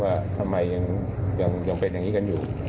ว่าทำไมยังเป็นอย่างนี้กันอยู่